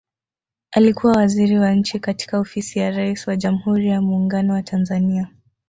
Alikuwa Waziri wa Nchi katika Ofisi ya Rais wa Jamhuri ya Muungano wa Tanzania